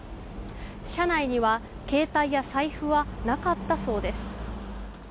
車内には携帯や財布はなかったそうです。